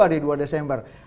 di dua desember